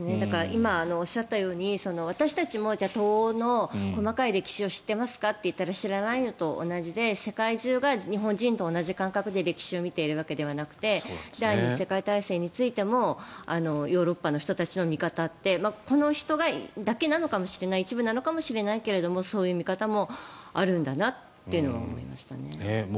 今、おっしゃったように私たちも東欧の細かい歴史を知ってますかといったら知らないのと同じで世界中が日本人と同じ感覚で歴史を見ているわけではなくて第２次世界大戦についてもヨーロッパの人たちの見方ってこの人だけなのかもしれない一部なのかもしれないけれどもそういう見方もあるんだなとは思いましたね。